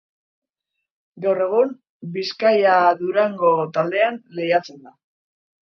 Gaur egun Bizkaia-Durango taldean lehiatzen da.